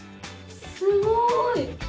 すごい！